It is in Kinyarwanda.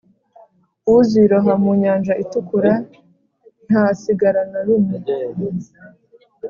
uziroha mu Nyanja Itukura ntihasigara na rumwe